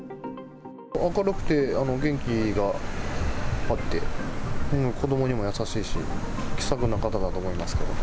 明るくて元気があって、子どもにも優しいし、気さくな方だと思いますけど。